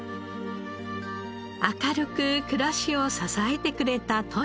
明るく暮らしを支えてくれた登志子さん。